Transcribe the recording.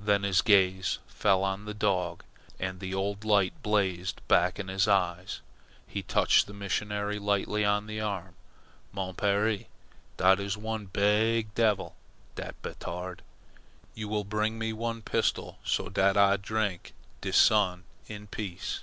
Then his gaze fell on the dog, and the old light blazed back in his eyes. He touched the missionary lightly on the arm. "Mon pere, dat is one beeg devil, dat Batard. You will bring me one pistol, so, dat Ah drink de sun in peace."